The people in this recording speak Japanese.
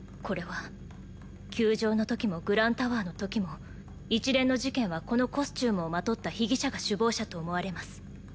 これは球場のときもグランタワーのときも一連の事件はこのコスチュームをまとった被疑者が首謀者と思われます